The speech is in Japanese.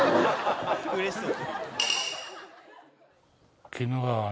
うれしそう。